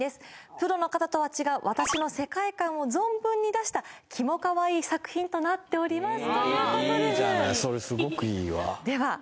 「プロの方とは違う私の世界観を存分に出した」「キモ可愛い作品となっております」ということです